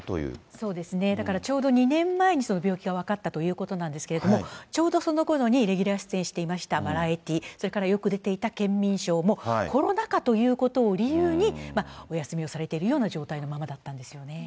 そうですね、だからちょうど２年前に、その病気が分かったということなんですけれども、ちょうどそのころにレギュラー出演していましたバラエティー、それからよく出ていたケンミンＳＨＯＷも、コロナ禍ということを理由に、お休みをされているような状態のままだったんですよね。